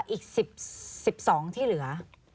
อีก๑๒ที่เหลือ